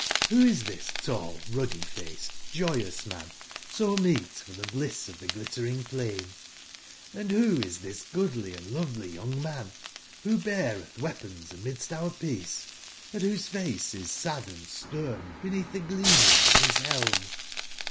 CClbois this tall, ruddy/faced, joy ous man so meet for the bliss of the Glittering plain ? Hnd who is this goodly and lovely young man, who beareth weapons amidst our peace, and whose face is sad and stern beneath the gleaming of his helm